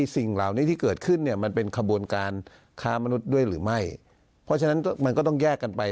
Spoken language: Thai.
สิ่งเหล่านี้ที่เกิดขึ้นเนี่ยมันเป็นขบวนการค้ามนุษย์ด้วยหรือไม่เพราะฉะนั้นมันก็ต้องแยกกันไป